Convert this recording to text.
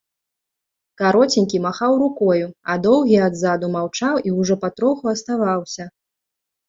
Кароценькі махаў рукою, а доўгі адзаду маўчаў і ўжо патроху аставаўся.